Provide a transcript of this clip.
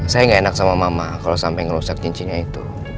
saya nggak enak sama mama kalau sampai ngerusak cincinnya itu